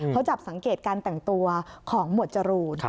เขาจับสังเกตการแต่งตัวของหมวดจรูน